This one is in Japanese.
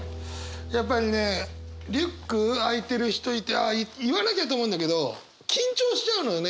やっぱりねリュック開いてる人いてあっ言わなきゃと思うんだけど緊張しちゃうのよね。